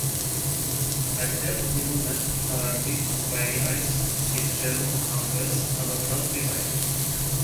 Այստեղ հանդիպում են քարարծիվ, վայրի այծ, եղջերու, աղվես, նապաստակ և այլն։